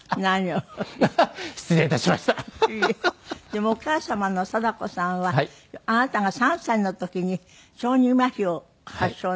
でもお母様の貞子さんはあなたが３歳の時に小児まひを発症なすって。